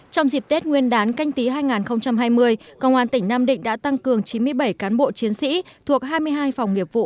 trong dịp tết nguyên đán canh tí hai nghìn hai mươi công an tỉnh nam định đã tăng cường chín mươi bảy cán bộ chiến sĩ thuộc hai mươi hai phòng nghiệp vụ